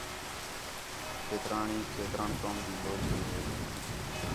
کھیترانی کھیتران قوم تی ٻولی ہے